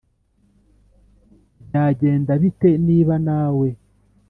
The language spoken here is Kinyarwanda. Byagenda bite niba nawe